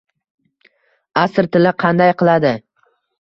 Asr tili qanday qiladi.